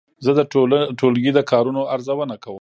زه د ټولګي د کارونو ارزونه کوم.